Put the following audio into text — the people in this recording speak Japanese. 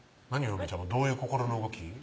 嫁ちゃまどういう心の動き？